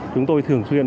chúng tôi thường xuyên